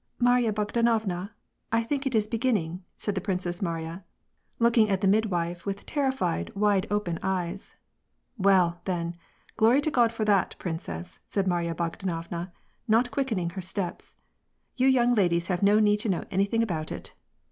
" Marya Bogdanovna ! I think it is beginning," said the Princess Mariya, looking at the midwife, with terrified, wide open eyes. " Well, then, glory to God for that, princess," said Maiya Bogdanovna, not quickening her steps. "You young ladies have no need to know anything about it."